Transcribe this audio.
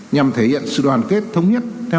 nhằm thể hiện sự đoàn kết thống nhất